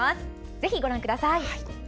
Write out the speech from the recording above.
ぜひご覧ください。